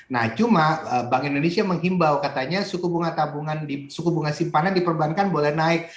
nah cuma bank indonesia menghimbau katanya suku bunga simpanan di perbankan boleh naik